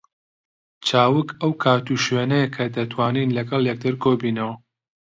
چاوگ ئەو کات و شوێنەیە کە دەتوانین لەگەڵ یەکتر کۆ ببینەوە